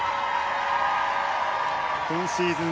今シーズン